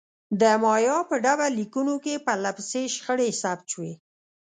د مایا په ډبرلیکونو کې پرله پسې شخړې ثبت شوې.